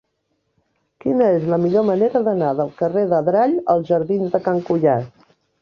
Quina és la millor manera d'anar del carrer d'Adrall als jardins de Can Cuiàs?